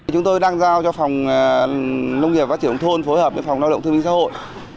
chúng tôi đang giao cho phòng nông nghiệp và triều thôn phối hợp với phòng lao động thương minh xã hội